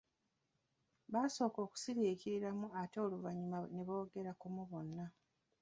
Baasooka kusiriikiriramu ate oluvanyuma ne boogerera kumu bonna.